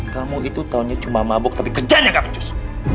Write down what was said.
kamu itu tahunya cuma mabuk tapi kerjaannya nggak pecus